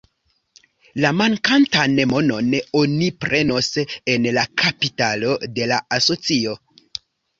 La mankantan monon oni prenos el la kapitalo de la asocio.